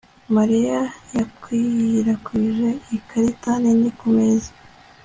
mariya yakwirakwije ikarita nini kumeza